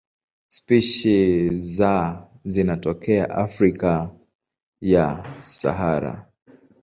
Spishi za zinatokea Afrika chini ya Sahara.